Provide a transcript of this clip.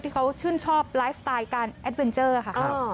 ที่เขาชื่นชอบไลฟ์สไตล์การแอดเวนเจอร์ค่ะ